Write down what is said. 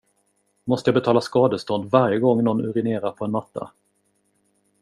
Måste jag betala skadestånd varje gång nån urinerar på en matta?